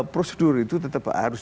prosedur itu tetap harus